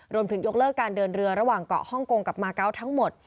ยกเลิกการเดินเรือระหว่างเกาะฮ่องกงกับมาเกาะทั้งหมด